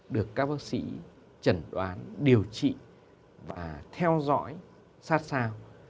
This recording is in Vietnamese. được các bác sĩ chẩn đoán điều trị và theo dõi sát sao